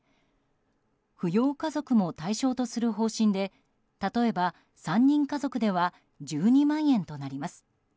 扶養家族も対象とする方針で例えば３人家族では１２万円となります。